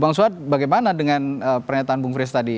bang suhad bagaimana dengan pernyataan bung fresh tadi